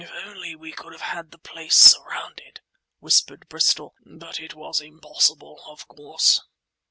"If only we could have had the place surrounded," whispered Bristol—"but it was impossible, of course."